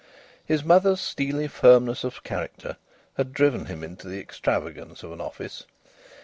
His mother's steely firmness of character had driven him into the extravagance of an office.